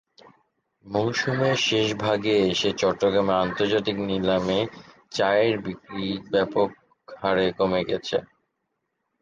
মৌসুমের শেষভাগে এসে চট্টগ্রামে আন্তর্জাতিক নিলামে চায়ের বিক্রি ব্যাপক হারে কমে গেছে।